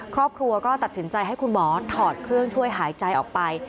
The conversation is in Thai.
ครอบครัวก็ตัดสินใจให้คุณหมอถอดเครื่องช่วยหายใจออกไป